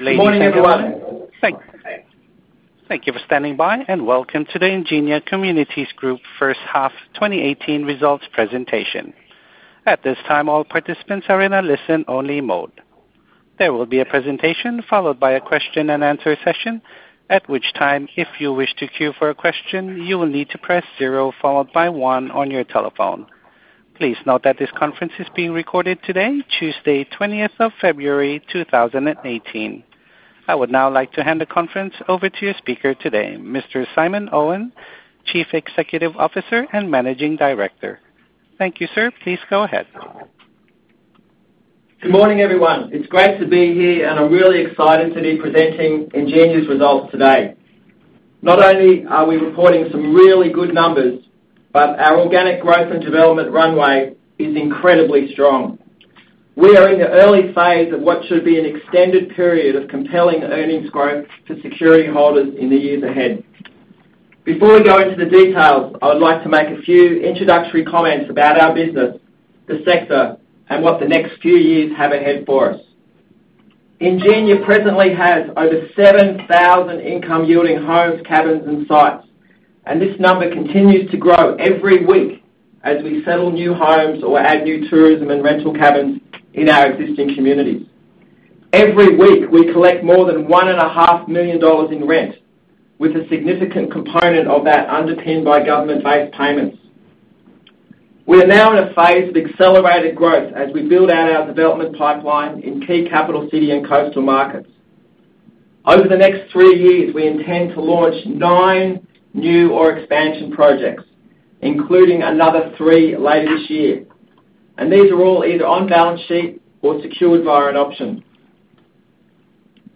Ladies and gentlemen. Good morning, everyone. Thank you. Thank you for standing by. Welcome to the Ingenia Communities Group first-half 2018 results presentation. At this time, all participants are in a listen-only mode. There will be a presentation, followed by a question and answer session. At which time, if you wish to queue for a question, you will need to press zero followed by one on your telephone. Please note that this conference is being recorded today, Tuesday 20th of February, 2018. I would now like to hand the conference over to your speaker today, Mr. Simon Owen, Chief Executive Officer and Managing Director. Thank you, sir. Please go ahead. Good morning, everyone. It's great to be here. I'm really excited to be presenting Ingenia's results today. Not only are we reporting some really good numbers. Our organic growth and development runway is incredibly strong. We are in the early phase of what should be an extended period of compelling earnings growth for security holders in the years ahead. Before we go into the details, I would like to make a few introductory comments about our business, the sector, and what the next few years have ahead for us. Ingenia presently has over 7,000 income-yielding homes, cabins, and sites. This number continues to grow every week as we settle new homes or add new tourism and rental cabins in our existing communities. Every week, we collect more than 1.5 million dollars in rent, with a significant component of that underpinned by government-based payments. We are now in a phase of accelerated growth as we build out our development pipeline in key capital city and coastal markets. Over the next three years, we intend to launch nine new or expansion projects, including another three later this year. These are all either on balance sheet or secured via an option.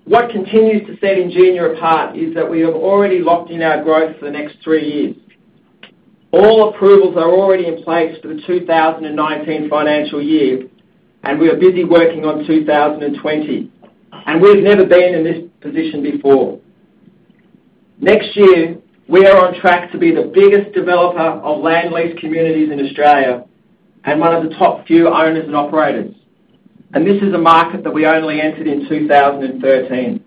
What continues to set Ingenia apart is that we have already locked in our growth for the next three years. All approvals are already in place for the 2019 financial year. We are busy working on 2020, and we've never been in this position before. Next year, we are on track to be the biggest developer of land lease communities in Australia and one of the top few owners and operators. This is a market that we only entered in 2013.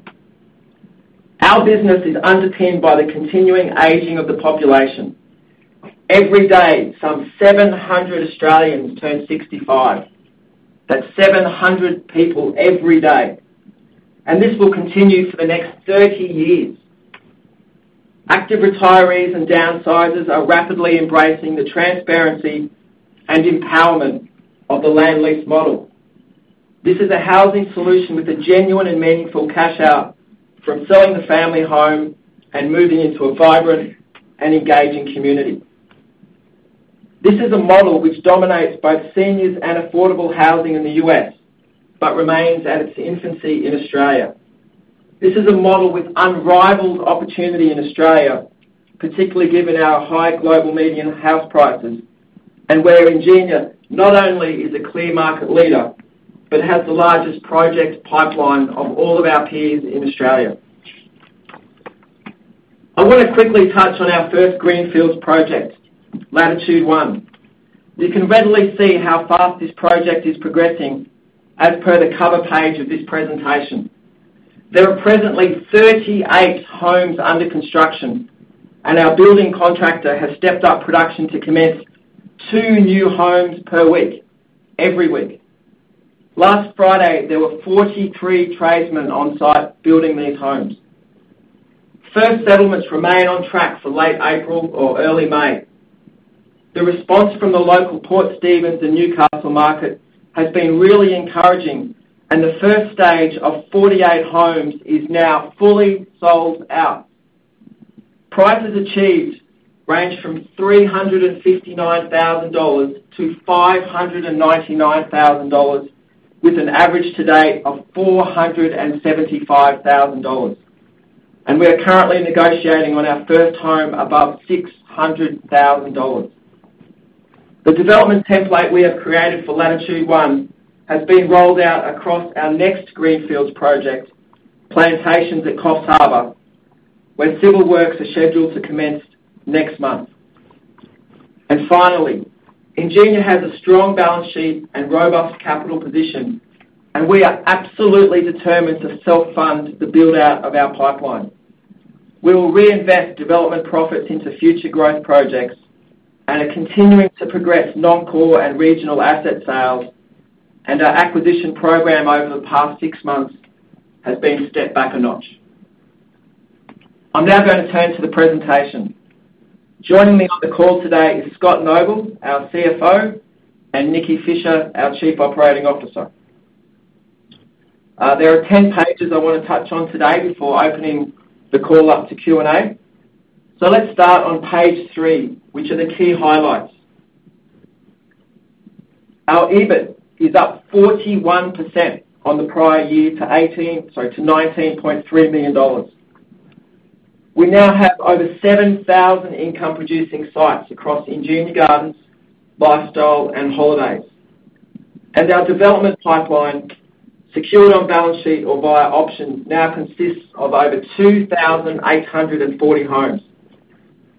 Our business is underpinned by the continuing aging of the population. Every day, some 700 Australians turn 65. That's 700 people every day. This will continue for the next 30 years. Active retirees and downsizers are rapidly embracing the transparency and empowerment of the land lease model. This is a housing solution with a genuine and meaningful cash-out from selling the family home and moving into a vibrant and engaging community. This is a model which dominates both seniors and affordable housing in the U.S. but remains at its infancy in Australia. This is a model with unrivaled opportunity in Australia, particularly given our high global median house prices. Where Ingenia not only is a clear market leader but has the largest project pipeline of all of our peers in Australia. I want to quickly touch on our first greenfields project, Latitude One. You can readily see how fast this project is progressing as per the cover page of this presentation. There are presently 38 homes under construction. Our building contractor has stepped up production to commence two new homes per week every week. Last Friday, there were 43 tradesmen on site building these homes. First settlements remain on track for late April or early May. The response from the local Port Stephens and Newcastle market has been really encouraging. The first stage of 48 homes is now fully sold out. Prices achieved range from 359,000 dollars to 599,000 dollars, with an average to date of 475,000 dollars. We are currently negotiating on our first home above 600,000 dollars. The development template we have created for Latitude One has been rolled out across our next greenfields project, Plantations at Coffs Harbour, where civil works are scheduled to commence next month. Finally, Ingenia has a strong balance sheet and robust capital position. We are absolutely determined to self-fund the build-out of our pipeline. We will reinvest development profits into future growth projects and are continuing to progress non-core and regional asset sales. Our acquisition program over the past six months has been stepped back a notch. I'm now going to turn to the presentation. Joining me on the call today is Scott Noble, our CFO, and Nikki Fisher, our Chief Operating Officer. There are 10 pages I want to touch on today before opening the call up to Q&A. Let's start on page three, which are the key highlights. Our EBIT is up 41% on the prior year to 18, sorry, to 19.3 million dollars. We now have over 7,000 income-producing sites across Ingenia Gardens, Ingenia Lifestyle, and Ingenia Holidays. Our development pipeline, secured on balance sheet or via option, now consists of over 2,840 homes.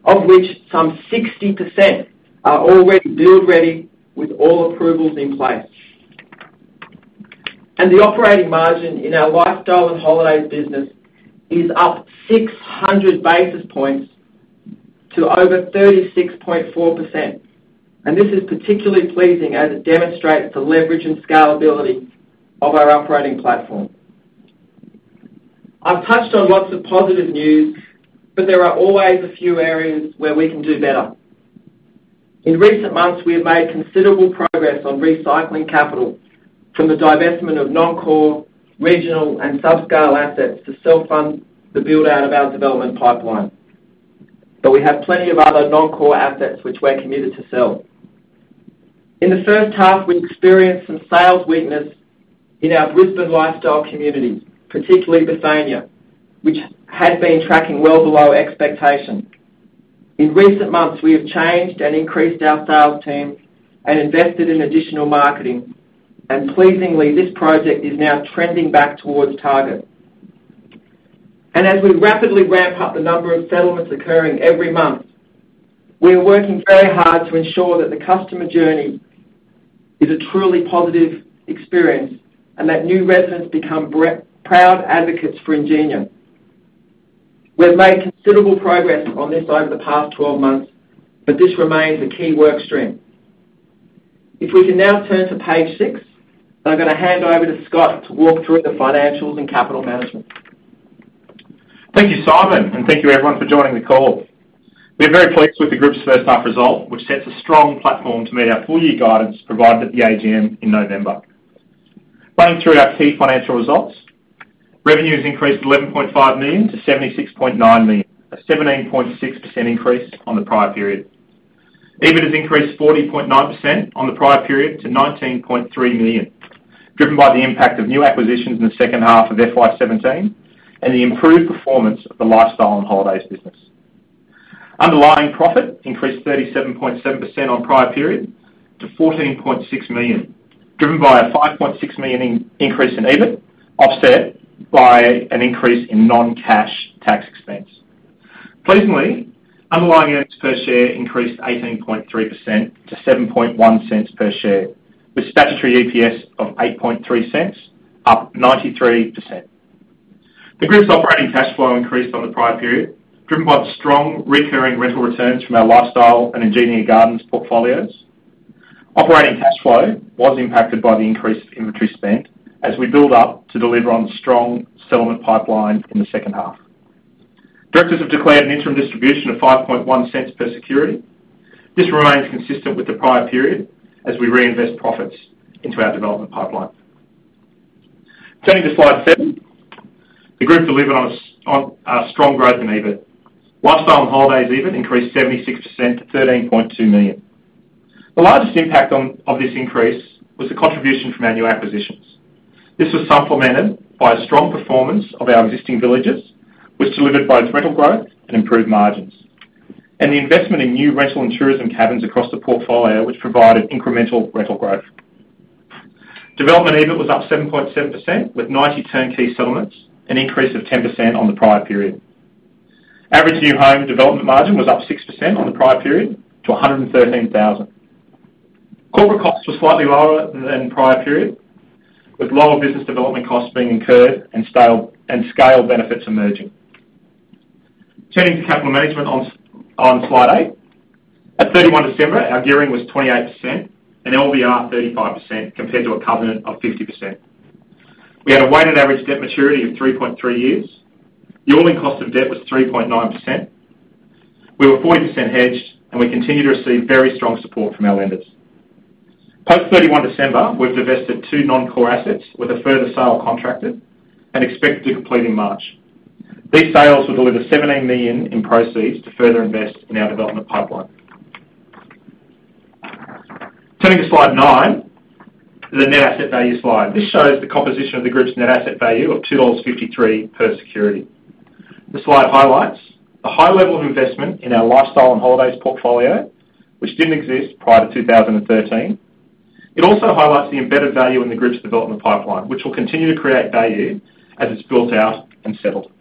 Of which some 60% are already build-ready with all approvals in place. The operating margin in our Lifestyle and Holidays business is up 600 basis points to over 36.4%. This is particularly pleasing as it demonstrates the leverage and scalability of our operating platform. I've touched on lots of positive news, but there are always a few areas where we can do better. In recent months, we have made considerable progress on recycling capital from the divestment of non-core, regional, and subscale assets to self-fund the build-out of our development pipeline. We have plenty of other non-core assets which we're committed to sell. In the first half, we experienced some sales weakness in our Brisbane Lifestyle community, particularly Bethania, which had been tracking well below expectation. In recent months, we have changed and increased our sales team and invested in additional marketing. Pleasingly, this project is now trending back towards target. As we rapidly ramp up the number of settlements occurring every month, we are working very hard to ensure that the customer journey is a truly positive experience and that new residents become proud advocates for Ingenia. We have made considerable progress on this over the past 12 months, but this remains a key work stream. If we can now turn to page six, I'm going to hand over to Scott to walk through the financials and capital management. Thank you, Simon. Thank you, everyone, for joining the call. We are very pleased with the group's first half result, which sets a strong platform to meet our full-year guidance provided at the AGM in November. Running through our key financial results. Revenue has increased 11.5 million to 76.9 million, a 17.6% increase on the prior period. EBIT has increased 40.9% on the prior period to 19.3 million, driven by the impact of new acquisitions in the second half of FY 2017 and the improved performance of the Lifestyle and Holidays business. Underlying profit increased 37.7% on prior period to 14.6 million, driven by a 5.6 million increase in EBIT, offset by an increase in non-cash tax expense. Pleasingly, underlying earnings per share increased 18.3% to 0.071 per share, with statutory EPS of 0.0830, up 93%. The group's operating cash flow increased on the prior period, driven by the strong recurring rental returns from our Lifestyle and Ingenia Gardens portfolios. Operating cash flow was impacted by the increased inventory spend as we build up to deliver on the strong settlement pipeline in the second half. Directors have declared an interim distribution of 0.0510 per security. This remains consistent with the prior period as we reinvest profits into our development pipeline. Turning to slide seven. The group delivered on a strong growth in EBIT. Lifestyle and Holidays EBIT increased 76% to 13.2 million. The largest impact of this increase was the contribution from our new acquisitions. This was supplemented by a strong performance of our existing villages, which delivered both rental growth and improved margins, and the investment in new rental and tourism cabins across the portfolio, which provided incremental rental growth. Development EBIT was up 7.7% with 90 turnkey settlements, an increase of 10% on the prior period. Average new home development margin was up 6% on the prior period to 113,000. Corporate costs were slightly lower than prior period, with lower business development costs being incurred and scale benefits emerging. Turning to capital management on slide eight. At 31 December, our gearing was 28% and LVR 35%, compared to a covenant of 50%. We had a weighted average debt maturity of 3.3 years. The all-in cost of debt was 3.9%. We were 40% hedged, and we continue to receive very strong support from our lenders. Post 31 December, we've divested two non-core assets with a further sale contracted and expected to complete in March. These sales will deliver 17 million in proceeds to further invest in our development pipeline. Turning to slide nine, the net asset value slide. This shows the composition of the group's net asset value of 2.53 dollars per security. The slide highlights the high level of investment in our Lifestyle and Holidays portfolio, which didn't exist prior to 2013. It also highlights the embedded value in the group's development pipeline, which will continue to create value as it's built out and settled.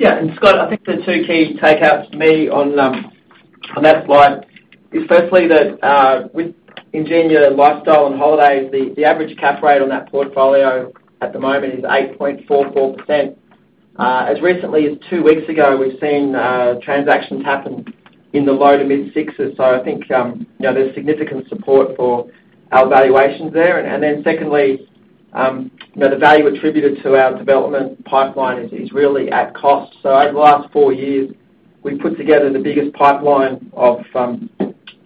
Scott, I think the two key takeouts for me on that slide is firstly, that with Ingenia Lifestyle and Holidays, the average cap rate on that portfolio at the moment is 8.44%. As recently as two weeks ago, we've seen transactions happen in the low to mid-sixes, so I think there's significant support for our valuations there. Then secondly, the value attributed to our development pipeline is really at cost. Over the last four years, we've put together the biggest pipeline of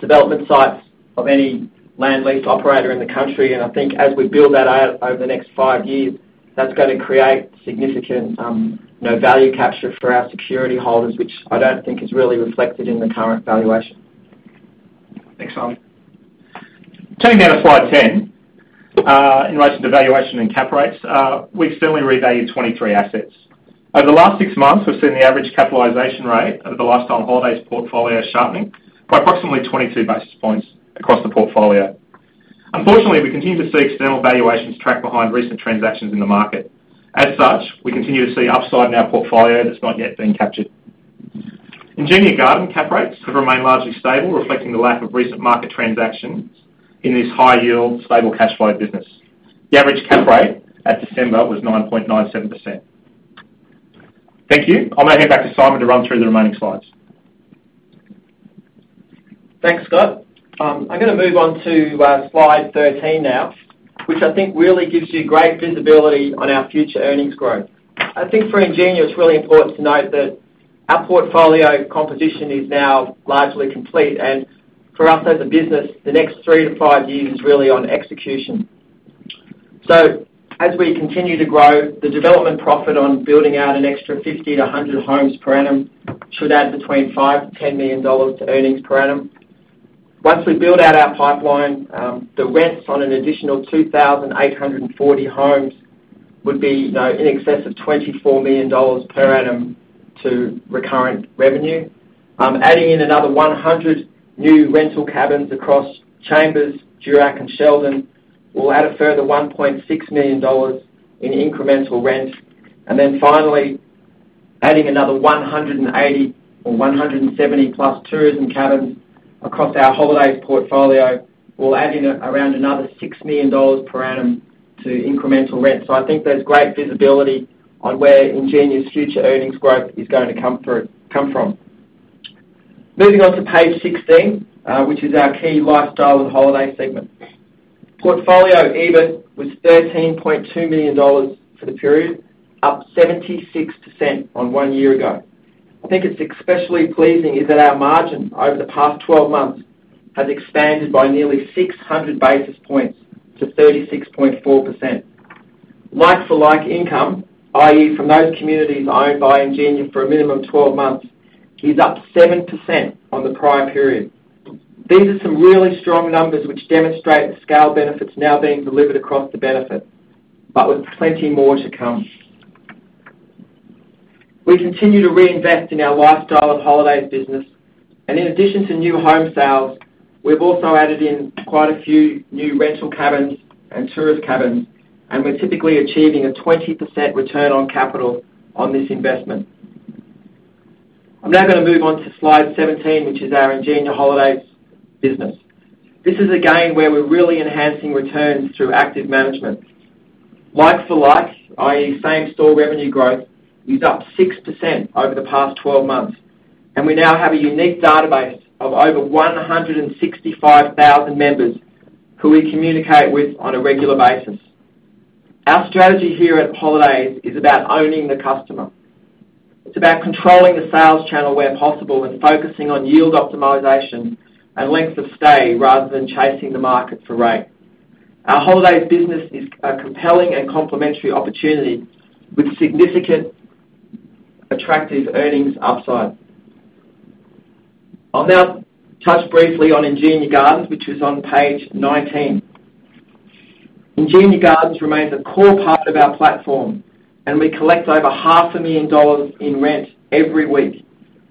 development sites of any land lease operator in the country, and I think as we build that out over the next five years, that's going to create significant value capture for our security holders, which I don't think is really reflected in the current valuation. Thanks, Simon. Turning now to slide 10, in relation to valuation and cap rates, we've certainly revalued 23 assets. Over the last six months, we've seen the average capitalization rate of the Lifestyle and Holidays portfolio sharpening by approximately 22 basis points across the portfolio. Unfortunately, we continue to see external valuations track behind recent transactions in the market. As such, we continue to see upside in our portfolio that's not yet been captured. Ingenia Gardens cap rates have remained largely stable, reflecting the lack of recent market transactions in this high yield, stable cash flow business. The average cap rate at December was 9.97%. Thank you. I'm going to hand back to Simon to run through the remaining slides. Thanks, Scott. I'm going to move on to slide 13 now, which I think really gives you great visibility on our future earnings growth. For Ingenia, it's really important to note that our portfolio composition is now largely complete, and for us as a business, the next three to five years is really on execution. As we continue to grow, the development profit on building out an extra 50 to 100 homes per annum should add between 5 million-10 million dollars to earnings per annum. Once we build out our pipeline, the rents on an additional 2,840 homes would be in excess of 24 million dollars per annum to recurrent revenue. Adding in another 100 new rental cabins across Chambers, Durack, and Sheldon will add a further 1.6 million dollars in incremental rent. Finally, adding another 180 or 170 plus tourism cabins across our holidays portfolio will add in around another 6 million dollars per annum to incremental rent. I think there's great visibility on where Ingenia's future earnings growth is going to come from. Moving on to page 16, which is our key lifestyle and holiday segment. Portfolio EBIT was 13.2 million dollars for the period, up 76% on one year ago. I think it's especially pleasing is that our margin over the past 12 months has expanded by nearly 600 basis points to 36.4%. Like for like income, i.e., from those communities owned by Ingenia for a minimum of 12 months, is up 7% on the prior period. These are some really strong numbers which demonstrate the scale benefits now being delivered across the business, but with plenty more to come. We continue to reinvest in our lifestyle and holidays business, and in addition to new home sales, we've also added in quite a few new rental cabins and tourist cabins, and we're typically achieving a 20% return on capital on this investment. I'm now going to move on to slide 17, which is our Ingenia Holidays business. This is a game where we're really enhancing returns through active management. Like for like, i.e., same store revenue growth, is up 6% over the past 12 months, and we now have a unique database of over 165,000 members who we communicate with on a regular basis. Our strategy here at Holidays is about owning the customer. It's about controlling the sales channel where possible and focusing on yield optimization and length of stay rather than chasing the market for rate. Our holidays business is a compelling and complementary opportunity with significant attractive earnings upside. I'll now touch briefly on Ingenia Gardens, which is on page 19. Ingenia Gardens remains a core part of our platform, and we collect over half a million dollars in rent every week,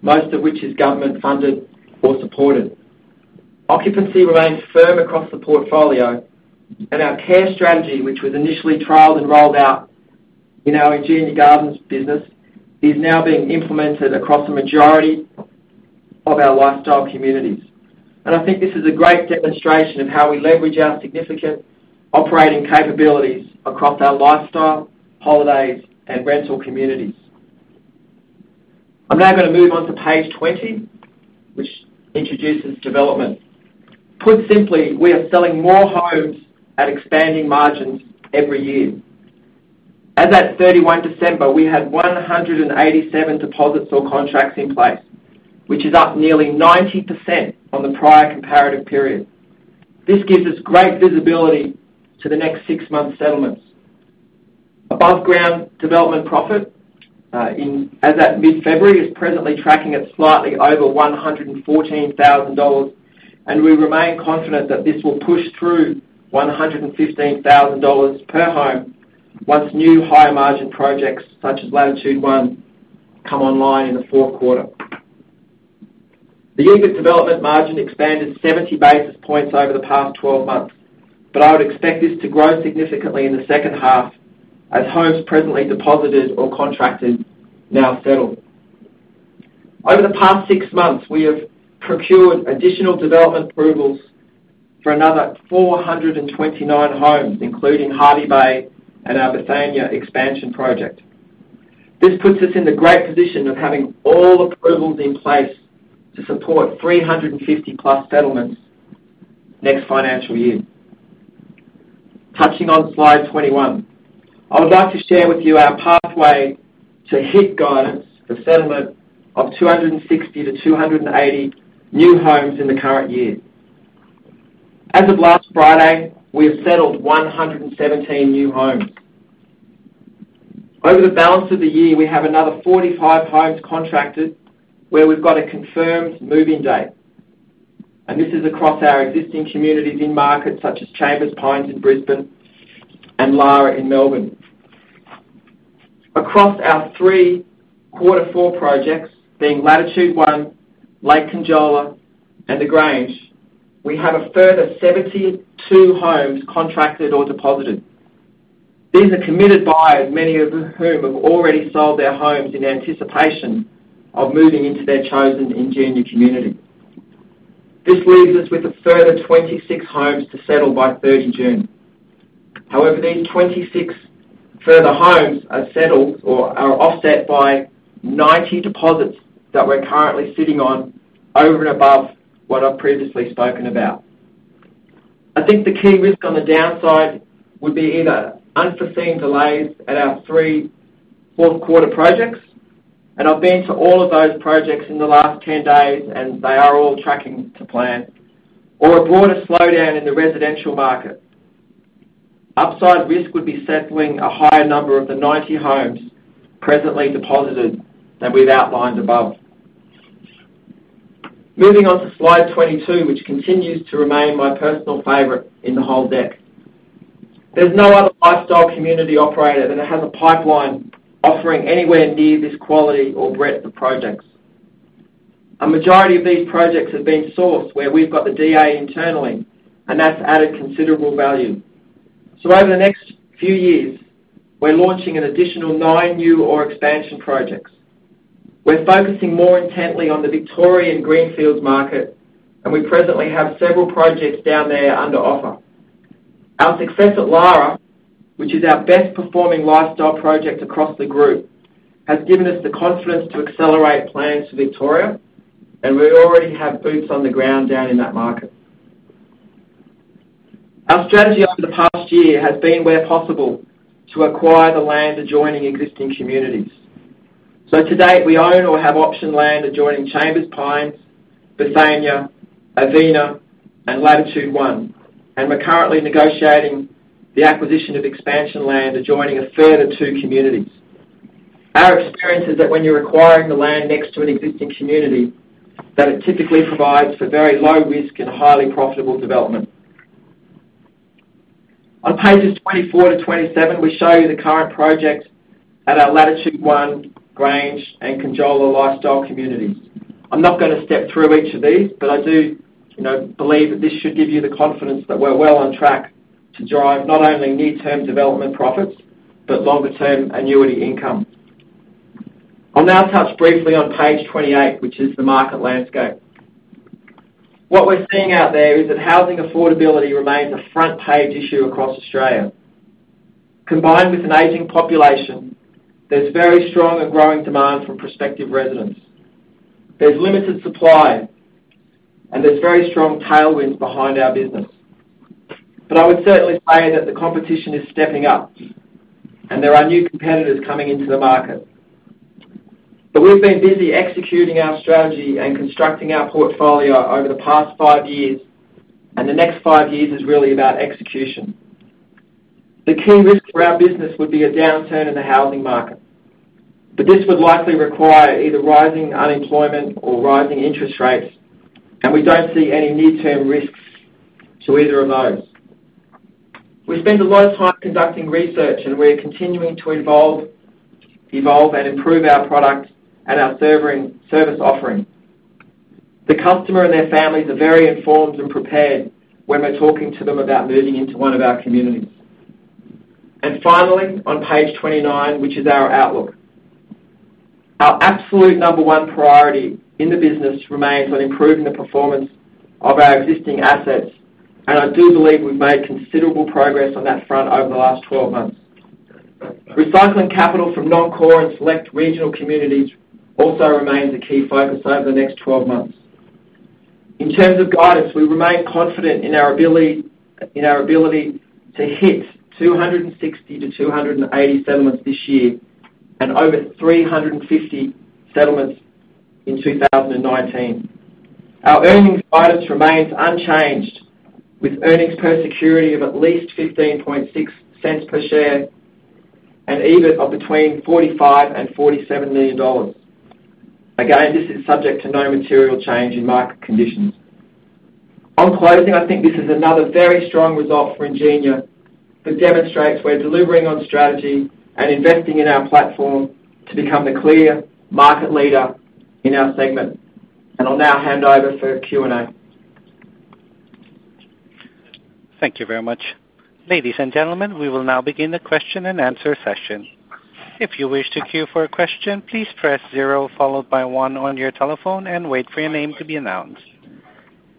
most of which is government-funded or supported. Occupancy remains firm across the portfolio, and our care strategy, which was initially trialed and rolled out in our Ingenia Gardens business, is now being implemented across a majority of our lifestyle communities. I think this is a great demonstration of how we leverage our significant operating capabilities across our lifestyle, holidays, and rental communities. I'm now going to move on to page 20, which introduces development. Put simply, we are selling more homes at expanding margins every year. As at 31 December, we had 187 deposits or contracts in place, which is up nearly 90% on the prior comparative period. This gives us great visibility to the next six months settlements. Above-ground development profit, as at mid-February, is presently tracking at slightly over 114,000 dollars, and we remain confident that this will push through 115,000 dollars per home once new higher-margin projects, such as Latitude One, come online in the fourth quarter. The EBIT development margin expanded 70 basis points over the past 12 months, I would expect this to grow significantly in the second half as homes presently deposited or contracted now settle. Over the past six months, we have procured additional development approvals for another 429 homes, including Hervey Bay and our Bethania expansion project. This puts us in the great position of having all approvals in place to support 350-plus settlements next financial year. Touching on slide 21, I would like to share with you our pathway to hit guidance for settlement of 260 to 280 new homes in the current year. As of last Friday, we have settled 117 new homes. Over the balance of the year, we have another 45 homes contracted where we've got a confirmed move-in date, and this is across our existing communities in markets such as Chambers Pines in Brisbane and Lara in Melbourne. Across our three Quarter Four projects, being Latitude One, Lake Conjola, and The Grange, we have a further 72 homes contracted or deposited. These are committed buyers, many of whom have already sold their homes in anticipation of moving into their chosen Ingenia community. This leaves us with a further 26 homes to settle by 30 June. These 26 further homes are settled or are offset by 90 deposits that we're currently sitting on, over and above what I've previously spoken about. I think the key risk on the downside would be either unforeseen delays at our three fourth quarter projects, and I've been to all of those projects in the last 10 days, and they are all tracking to plan, or a broader slowdown in the residential market. Upside risk would be settling a higher number of the 90 homes presently deposited than we've outlined above. Moving on to slide 22, which continues to remain my personal favorite in the whole deck. There's no other lifestyle community operator that has a pipeline offering anywhere near this quality or breadth of projects. A majority of these projects have been sourced where we've got the DA internally, and that's added considerable value. Over the next few years, we're launching an additional nine new or expansion projects. We're focusing more intently on the Victorian greenfields market, and we presently have several projects down there under offer. Our success at Lara, which is our best-performing lifestyle project across the group, has given us the confidence to accelerate plans for Victoria, and we already have boots on the ground down in that market. Our strategy over the past year has been, where possible, to acquire the land adjoining existing communities. To date, we own or have option land adjoining Chambers Pines, Bethania, Avina, and Latitude One, and we're currently negotiating the acquisition of expansion land adjoining a further two communities. Our experience is that when you're acquiring the land next to an existing community, that it typically provides for very low risk and highly profitable development. On pages 24 to 27, we show you the current projects at our Latitude One, Grange, and Conjola lifestyle communities. I'm not going to step through each of these, but I do believe that this should give you the confidence that we're well on track to drive not only near-term development profits, but longer-term annuity income. I'll now touch briefly on page 28, which is the market landscape. What we're seeing out there is that housing affordability remains a front-page issue across Australia. Combined with an aging population, there's very strong and growing demand from prospective residents. There's limited supply, and there's very strong tailwinds behind our business. I would certainly say that the competition is stepping up, and there are new competitors coming into the market. We've been busy executing our strategy and constructing our portfolio over the past five years, and the next five years is really about execution. The key risk for our business would be a downturn in the housing market. This would likely require either rising unemployment or rising interest rates, and we don't see any near-term risks to either of those. We spend a lot of time conducting research, and we are continuing to evolve and improve our product and our service offering. The customer and their families are very informed and prepared when we're talking to them about moving into one of our communities. Finally, on page 29, which is our outlook. Our absolute number one priority in the business remains on improving the performance of our existing assets, and I do believe we've made considerable progress on that front over the last 12 months. Recycling capital from non-core and select regional communities also remains a key focus over the next 12 months. In terms of guidance, we remain confident in our ability to hit 260 to 280 settlements this year, and over 350 settlements in 2019. Our earnings guidance remains unchanged, with earnings per security of at least 0.156 per share and EBIT of between 45 million and 47 million dollars. Again, this is subject to no material change in market conditions. On closing, I think this is another very strong result for Ingenia that demonstrates we're delivering on strategy and investing in our platform to become the clear market leader in our segment. I'll now hand over for Q&A. Thank you very much. Ladies and gentlemen, we will now begin the question-and-answer session. If you wish to queue for a question, please press zero followed by one on your telephone and wait for your name to be announced.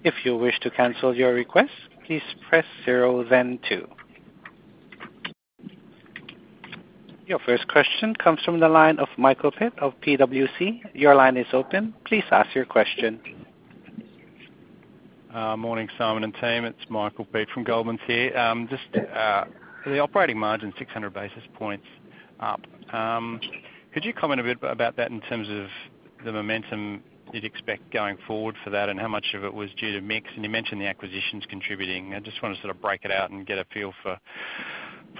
If you wish to cancel your request, please press zero, then two. Your first question comes from the line of Michael Pitt of Goldman Sachs. Your line is open. Please ask your question. Morning, Simon and team. It's Michael Pitt from Goldman's here. Just the operating margin, 600 basis points up. Could you comment a bit about that in terms of the momentum you'd expect going forward for that and how much of it was due to mix? You mentioned the acquisitions contributing. I just want to sort of break it out and get a feel for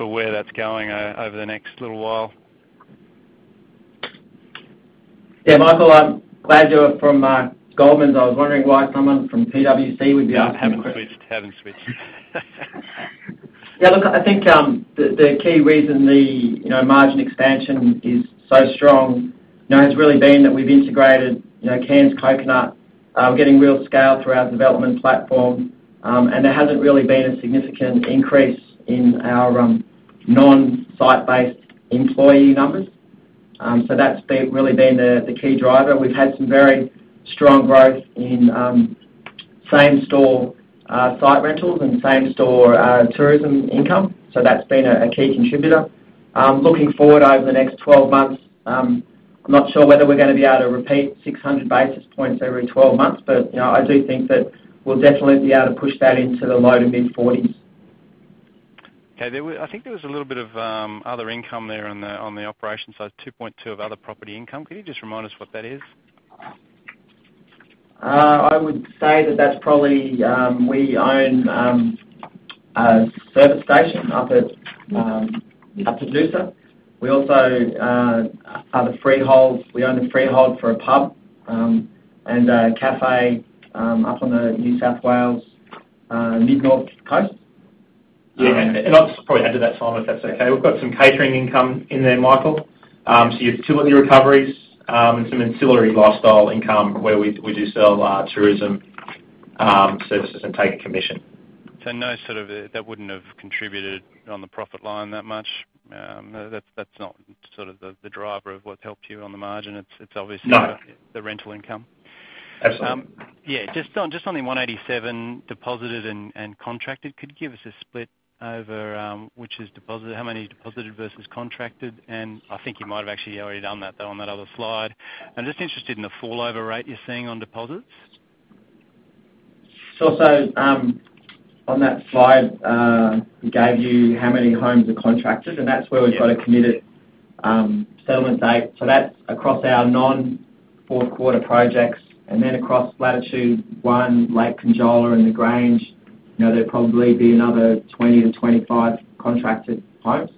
where that's going over the next little while. Yeah, Michael, I'm glad you're from Goldman's. I was wondering why someone from PWC would be asking the question. Yeah, haven't switched. Yeah, look, I think the key reason the margin expansion is so strong has really been that we've integrated Cairns Coconut. We're getting real scale through our development platform. There hasn't really been a significant increase in our non-site-based employee numbers. That's really been the key driver. We've had some very strong growth in same-store site rentals and same-store tourism income, that's been a key contributor. Looking forward over the next 12 months, I'm not sure whether we're going to be able to repeat 600 basis points every 12 months, but I do think that we'll definitely be able to push that into the low to mid-40s. Okay. I think there was a little bit of other income there on the operations side, 2.2 of other property income. Could you just remind us what that is? I would say that that's probably, we own a service station up at Paducah. We also are the freehold. We own the freehold for a pub and a cafe up on the New South Wales mid-north coast. Yeah. I'll just probably add to that, Simon, if that's okay. We've got some catering income in there, Michael. Some utility recoveries, and some ancillary lifestyle income where we do sell tourism services and take a commission. No, that wouldn't have contributed on the profit line that much. That's not the driver of what's helped you on the margin. It's obviously. No the rental income. Absolutely. Yeah. Just on the 187 deposited and contracted, could you give us a split over how many deposited versus contracted? I think you might have actually already done that, though, on that other slide. I'm just interested in the fall-over rate you're seeing on deposits. On that slide, we gave you how many homes are contracted, and that's where we've got a committed settlement date. That's across our non-fourth quarter projects. Across Latitude One, Lake Conjola and The Grange, there'd probably be another 20-25 contracted homes.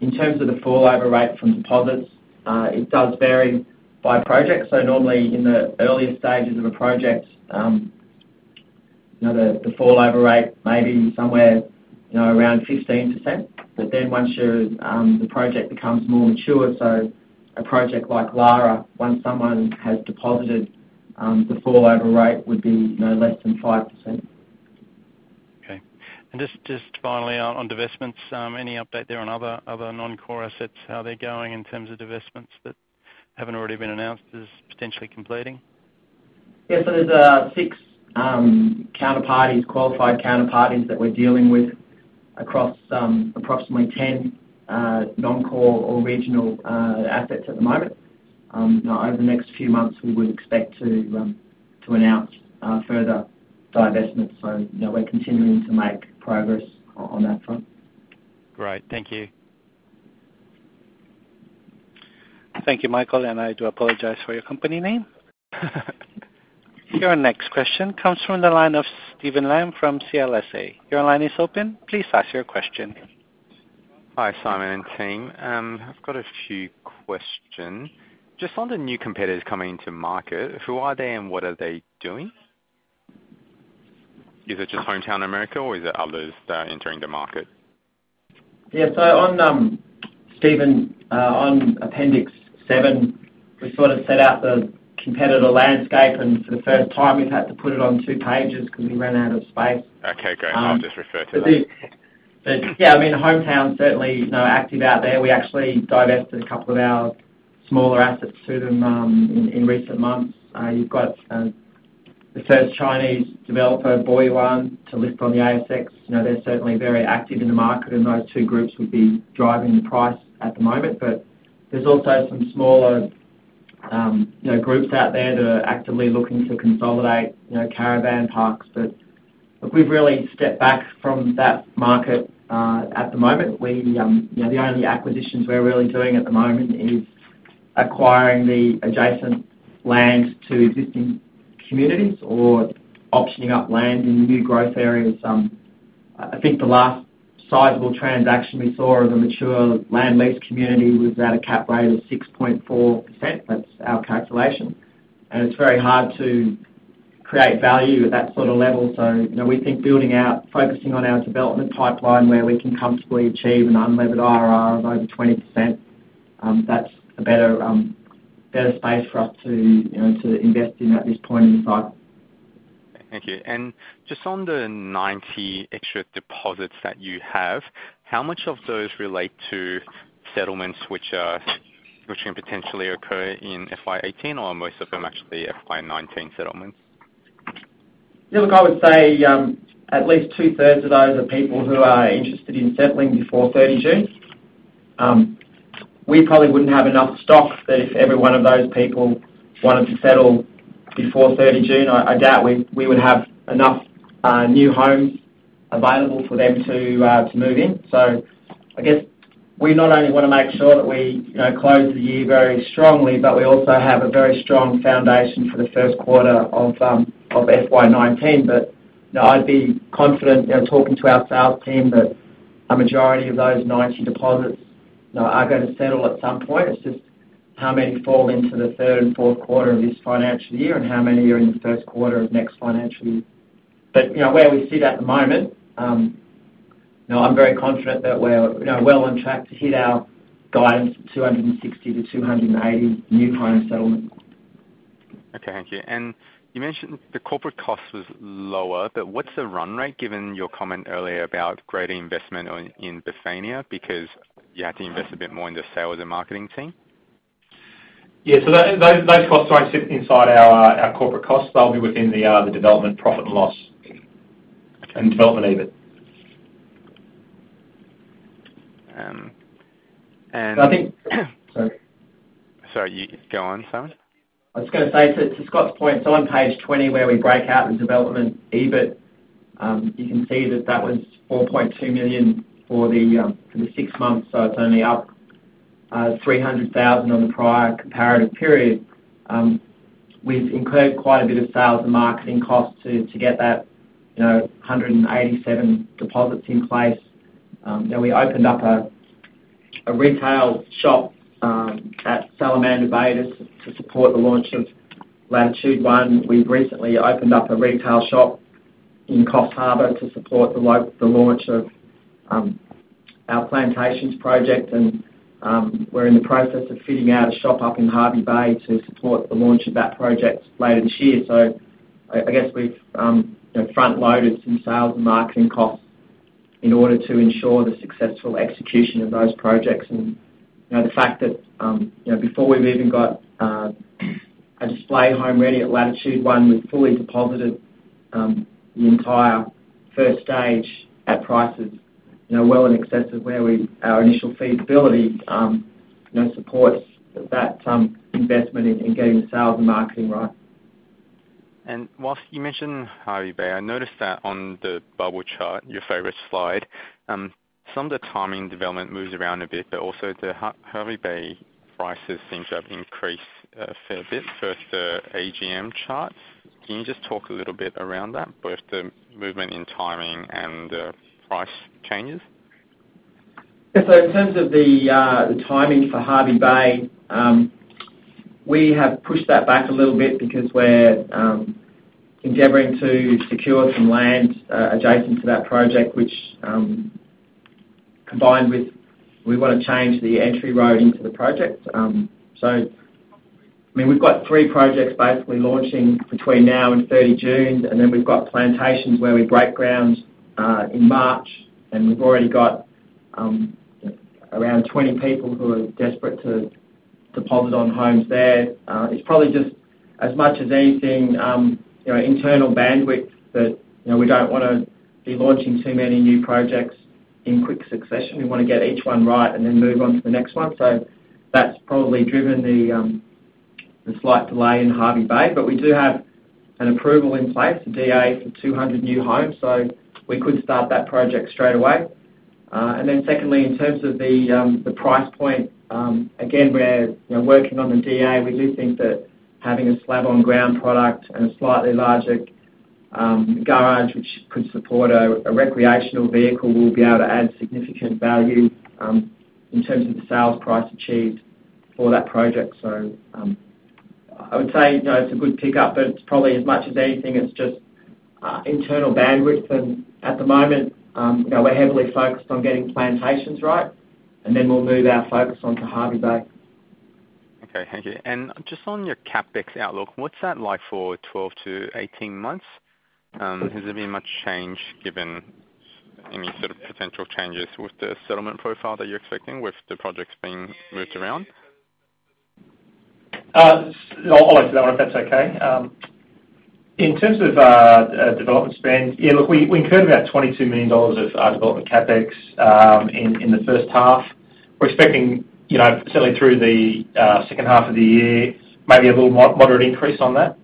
In terms of the fall-over rate from deposits, it does vary by project. Normally, in the earlier stages of a project, the fall-over rate may be somewhere around 15%. Once the project becomes more mature, a project like Lara, once someone has deposited, the fall-over rate would be no less than 5%. Okay. Just finally on divestments, any update there on other non-core assets, how they're going in terms of divestments that haven't already been announced as potentially completing? Yeah. There's six counterparties, qualified counterparties that we're dealing with across approximately 10 non-core or regional assets at the moment. Over the next few months, we would expect to announce further divestments. We're continuing to make progress on that front. Great. Thank you. Thank you, Michael, and I do apologize for your company name. Your next question comes from the line of Steven Lam from CLSA. Your line is open. Please ask your question. Hi, Simon and team. I've got a few question. Just on the new competitors coming into market, who are they and what are they doing? Is it just Hometown America or is it others that are entering the market? Yeah. Steven, on appendix seven, we sort of set out the competitor landscape, and for the first time, we've had to put it on two pages because we ran out of space. Okay, great. I'll just refer to that. Yeah, Hometown certainly active out there. We actually divested a couple of our smaller assets to them in recent months. You've got the first Chinese developer, Boyuan, to list on the ASX. They're certainly very active in the market, and those two groups would be driving the price at the moment. There's also some smaller groups out there that are actively looking to consolidate caravan parks. We've really stepped back from that market at the moment, where the only acquisitions we're really doing at the moment is acquiring the adjacent land to existing communities or optioning up land in new growth areas. I think the last sizable transaction we saw of a mature land-lease community was at a cap rate of 6.4%. That's our calculation. It's very hard to create value at that sort of level. We think building out, focusing on our development pipeline where we can comfortably achieve an unlevered IRR of over 20%, that's a better space for us to invest in at this point in time. Thank you. Just on the 90 extra deposits that you have, how much of those relate to settlements which can potentially occur in FY18, or are most of them actually FY19 settlements? Look, I would say, at least two-thirds of those are people who are interested in settling before 30 June. We probably wouldn't have enough stock that if every one of those people wanted to settle before 30 June, I doubt we would have enough new homes available for them to move in. I guess we not only want to make sure that we close the year very strongly, but we also have a very strong foundation for the first quarter of FY19. I'd be confident talking to our sales team that a majority of those 90 deposits are going to settle at some point. It's just how many fall into the third and fourth quarter of this financial year, and how many are in the first quarter of next financial year. Where we sit at the moment, I'm very confident that we're well on track to hit our guidance of 260-280 new home settlements. Okay, thank you. You mentioned the corporate cost was lower, but what's the run rate, given your comment earlier about greater investment in Bethania because you had to invest a bit more in the sales and marketing team? Yeah, those costs don't sit inside our corporate costs. They'll be within the development profit and loss, and development EBIT. And- Sorry. Sorry, go on, Simon. I was going to say, so to Scott's point, so on page 20 where we break out the development EBIT, you can see that was 4.2 million for the six months, so it's only up 300,000 on the prior comparative period. We've incurred quite a bit of sales and marketing costs to get that 187 deposits in place. We opened up a retail shop at Salamander Bay to support the launch of Latitude One. We've recently opened up a retail shop in Coffs Harbour to support the launch of our Plantations project, and we're in the process of fitting out a shop up in Hervey Bay to support the launch of that project later this year. I guess we've front-loaded some sales and marketing costs in order to ensure the successful execution of those projects. The fact that before we've even got a display home ready at Latitude One, we've fully deposited the entire stage 1 at prices well in excess of where our initial feasibility supports that investment in getting the sales and marketing right. Whilst you mentioned Hervey Bay, I noticed that on the bubble chart, your favorite slide, some of the timing development moves around a bit, also the Hervey Bay prices seem to have increased a fair bit versus the AGM chart. Can you just talk a little bit around that, both the movement in timing and the price changes? In terms of the timing for Hervey Bay, we have pushed that back a little bit because we're endeavoring to secure some land adjacent to that project, which combined with we want to change the entry road into the project. We've got 3 projects basically launching between now and 30 June, we've got Plantations where we break ground in March, we've already got around 20 people who are desperate to deposit on homes there. It's probably just as much as anything, internal bandwidth that we don't want to be launching too many new projects in quick succession. We want to get each one right then move on to the next one. That's probably driven the slight delay in Hervey Bay. We do have an approval in place, a DA for 200 new homes, we could start that project straight away. Secondly, in terms of the price point, again, we're working on the DA. We do think that having a slab on ground product and a slightly larger garage which could support a recreational vehicle will be able to add significant value in terms of the sales price achieved for that project. I would say it's a good pickup, it's probably as much as anything, it's just internal bandwidth, at the moment, we're heavily focused on getting Plantations right, then we'll move our focus on to Hervey Bay. Okay, thank you. Just on your CapEx outlook, what's that like for 12 to 18 months? Has there been much change given any sort of potential changes with the settlement profile that you're expecting with the projects being moved around? I'll answer that one if that's okay. In terms of development spend, look, we incurred about 22 million dollars of development CapEx in the first half. We're expecting, certainly through the second half of the year, maybe a little moderate increase on that.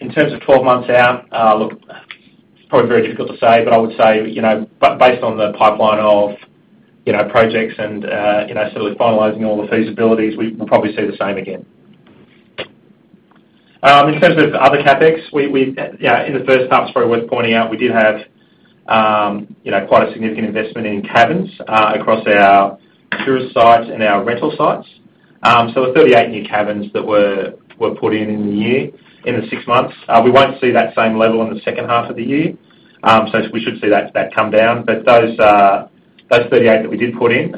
In terms of 12 months out, look, it's probably very difficult to say, but I would say, based on the pipeline of projects and certainly finalizing all the feasibilities, we'll probably see the same again. In terms of other CapEx, in the first half, it's probably worth pointing out, we did have quite a significant investment in cabins across our tourist sites and our rental sites. There were 38 new cabins that were put in in the year, in the six months. We won't see that same level in the second half of the year. We should see that come down. Those 38 that we did put in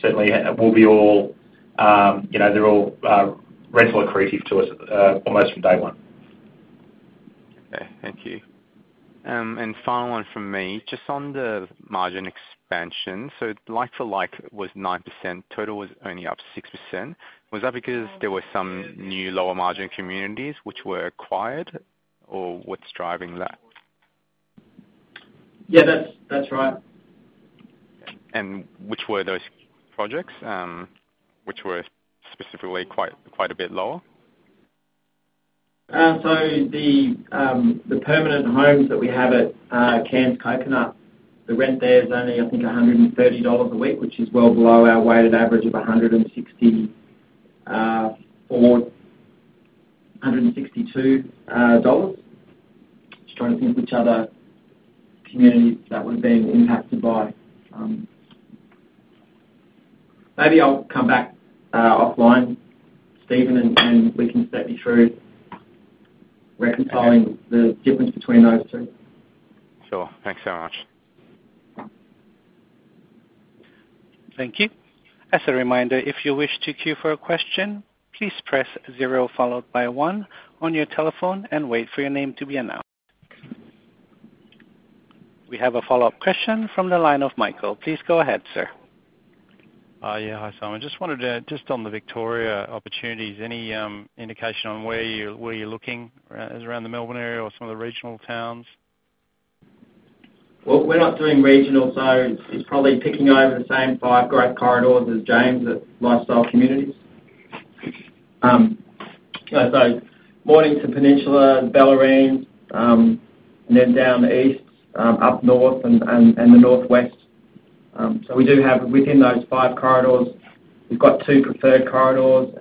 certainly will be all rental accretive to us almost from day one. Okay, thank you. Final one from me. Just on the margin expansion. Like to like was 9%, total was only up 6%. Was that because there were some new lower margin communities which were acquired or what's driving that? Yeah, that's right. Which were those projects, which were specifically quite a bit lower? The permanent homes that we have at Cairns Coconut, the rent there is only I think 130 dollars a week, which is well below our weighted average of 164 162 dollars. Just trying to think which other communities that would have been impacted by. Maybe I'll come back offline, Steven, and we can step you through reconciling the difference between those two. Sure. Thanks so much. Yeah. Thank you. As a reminder, if you wish to queue for a question, please press zero followed by one on your telephone and wait for your name to be announced. We have a follow-up question from the line of Michael. Please go ahead, sir. Yeah. Hi, Simon. Just on the Victoria opportunities, any indication on where you're looking, around the Melbourne area or some of the regional towns? We're not doing regional, so it's probably picking over the same five growth corridors as James at Lifestyle Communities. Mornington Peninsula, Bellarine, and then down the east, up north, and the northwest. Within those five corridors, we've got two preferred corridors.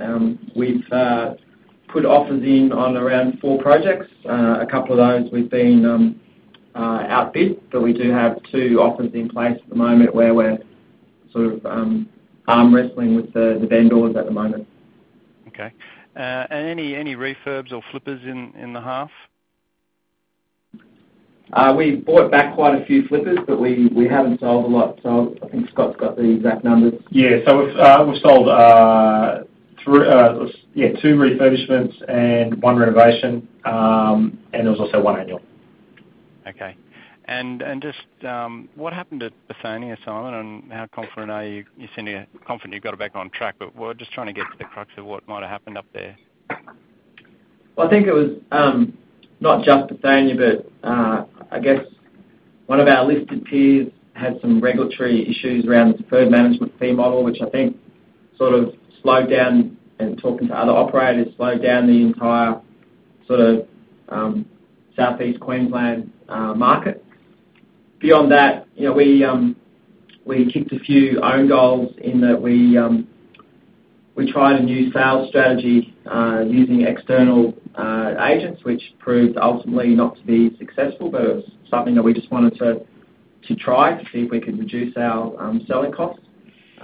We've put offers in on around four projects. A couple of those we've been outbid, we do have two offers in place at the moment where we're sort of arm wrestling with the vendors at the moment. Okay. Any refurbs or flippers in the half? We bought back quite a few flippers, but we haven't sold a lot. I think Scott's got the exact numbers. Yeah. We've sold two refurbishments and one renovation, and there was also one annual. Okay. Just what happened at Bethania, Simon, and how confident are you? You sound confident you got it back on track, but we're just trying to get to the crux of what might have happened up there. Well, I think it was not just Bethania, but I guess one of our listed peers had some regulatory issues around the deferred management fee model, which I think sort of slowed down, in talking to other operators, slowed down the entire Southeast Queensland market. Beyond that, we kicked a few own goals in that we tried a new sales strategy using external agents, which proved ultimately not to be successful, but it was something that we just wanted to try to see if we could reduce our selling costs.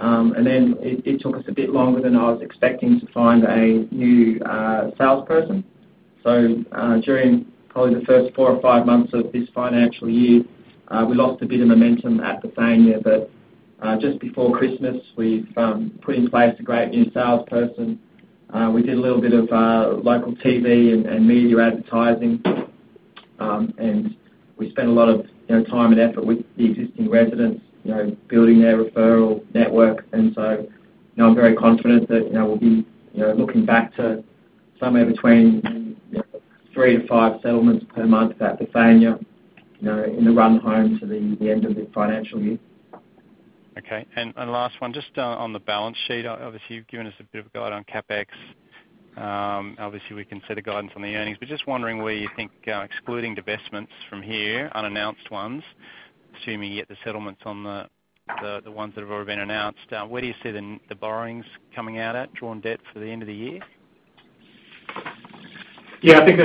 Then it took us a bit longer than I was expecting to find a new salesperson. During probably the first four or five months of this financial year, we lost a bit of momentum at Bethania. Just before Christmas, we've put in place a great new salesperson. We did a little bit of local TV and media advertising. We spent a lot of time and effort with the existing residents, building their referral network. So, I'm very confident that we'll be looking back to somewhere between three to five settlements per month at Bethania, in the run home to the end of the financial year. Okay. Last one, just on the balance sheet, obviously you've given us a bit of a guide on CapEx. Obviously, we can see the guidance on the earnings, just wondering where you think, excluding divestments from here, unannounced ones, assuming you get the settlements on the ones that have already been announced, where do you see the borrowings coming out at, drawn debt for the end of the year? Yeah, I think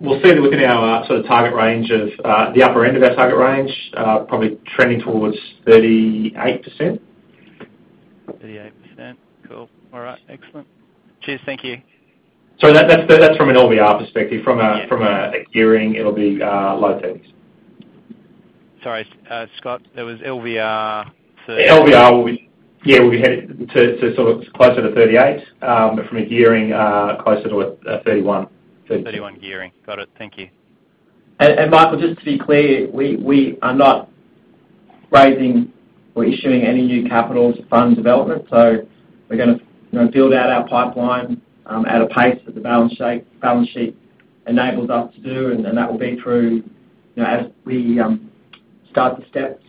we'll stay within our sort of target range of the upper end of our target range, probably trending towards 38%. 38%. Cool. All right. Excellent. Cheers. Thank you. Sorry, that's from an LVR perspective. From a gearing, it'll be low teens. Sorry, Scott, that was LVR for- LVR, yeah, we'll be headed to closer to 38, but from a gearing, closer to 31. 31 gearing. Got it. Thank you. Michael, just to be clear, we are not raising or issuing any new capital to fund development. We're going to build out our pipeline at a pace that the balance sheet enables us to do, and that will be through as we start to step up settlements,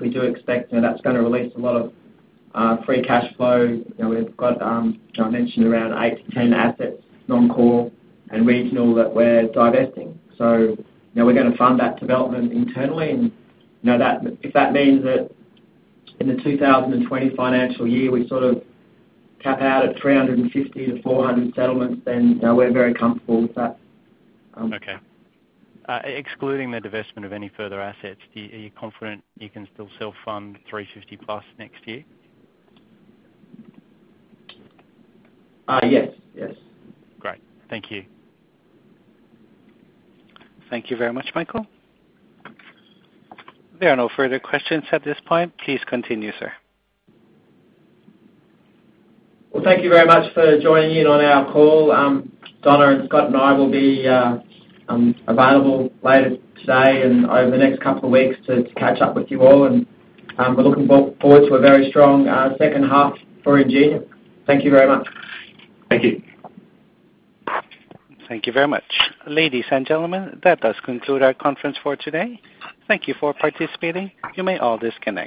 we do expect that's going to release a lot of free cash flow. We've got, as I mentioned, around 8-10 assets, non-core and regional, that we're divesting. We're going to fund that development internally, and if that means that in the 2020 financial year, we sort of cap out at 350-400 settlements, then we're very comfortable with that. Okay. Excluding the divestment of any further assets, are you confident you can still self-fund 350+ next year? Yes. Great. Thank you. Thank you very much, Michael. There are no further questions at this point. Please continue, sir. Thank you very much for joining in on our call. Donna and Scott and I will be available later today and over the next couple of weeks to catch up with you all, and we're looking forward to a very strong second half for Ingenia. Thank you very much. Thank you. Thank you very much. Ladies and gentlemen, that does conclude our conference for today. Thank you for participating. You may all disconnect.